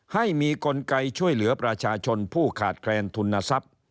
ให้มีกลไกช่วยเหลือประชาชนผู้ขาดแคลนทุนทรัพย์